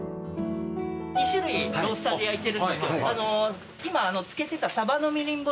２種類ロースターで焼いてるんですけど今漬けてた。